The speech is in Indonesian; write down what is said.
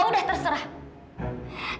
kenapa kamu sampai disuruhpe